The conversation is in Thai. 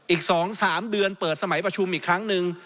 อีก๒๓เดือนเปิดสมัยประชุมอีกครั้งหนึ่ง